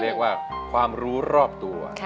นี่คือความรู้รอบตัว